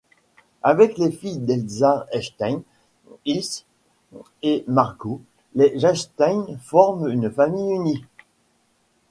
Avec les filles d'Elsa Einstein Ilse et Margot, les Einstein forment une famille unie.